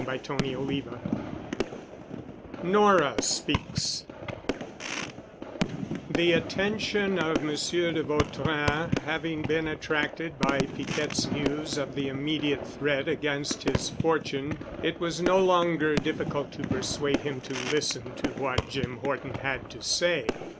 *CHAPTER XVI* *NORA SPEAKS* The attention of Monsieur de Vautrin having been attracted by Piquette's news of the immediate threat against his fortune, it was no longer difficult to persuade him to listen to what Jim Horton had to say.